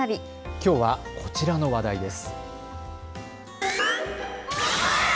きょうは、こちらの話題です。